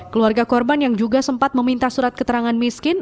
keluarga korban yang juga sempat meminta surat keterangan miskin